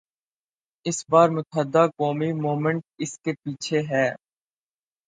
اس بار متحدہ قومی موومنٹ اس کے پیچھے ہے۔